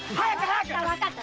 わかった。